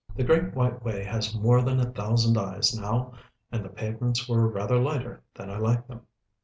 The Great White Way has more than a thousand eyes now, and the pavements were rather lighter than I liked them.